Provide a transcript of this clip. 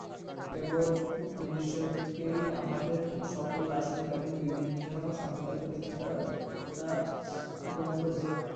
কেবল উপনিষদকেই আমাদের সকল দার্শনিক ও বিভিন্ন সম্প্রদায়ের প্রতিষ্ঠাতারা গ্রহণ করেছেন।